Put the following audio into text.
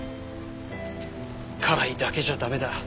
辛いだけじゃ駄目だ。